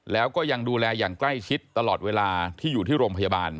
แล้วก็ยังดูแลอย่างใกล้ชิดตลอดเวลาที่อยู่ที่โรงพยาบาล